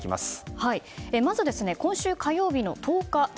まず、今週火曜日の１０日。